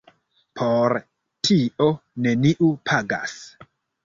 Por tio neniu pagas.